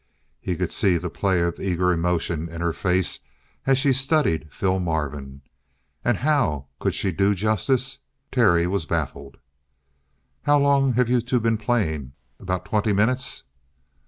He could see the play of eager emotion in her face as she studied Phil Marvin. And how could she do justice? Terry was baffled. "How long you two been playing?" "About twenty minutes."